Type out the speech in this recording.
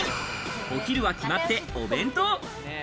お昼は決まってお弁当。